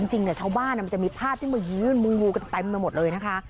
จริงเนี่ยเช้าบ้านมันจะมีพาดที่มืองูเงินมืองูกันไปมาหมดเลย